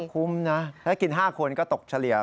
คุ้มนะถ้ากิน๕คนก็ตกเฉลี่ย